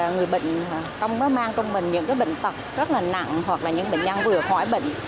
người bệnh không có mang trong mình những bệnh tật rất là nặng hoặc là những bệnh nhân vừa khỏi bệnh